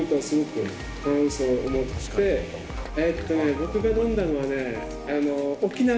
僕が飲んだのはね。